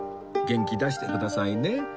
元気出してくださいね